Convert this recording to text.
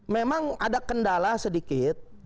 memang ada kendala sedikit